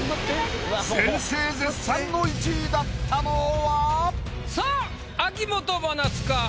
先生絶賛の１位だったのは⁉さあ秋元真夏か？